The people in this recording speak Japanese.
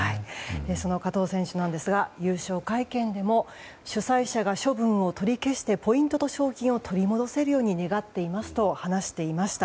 その加藤選手なんですが優勝会見でも主催者が処分を取り消してポイントと賞金を取り戻せるように願っていますと話していました。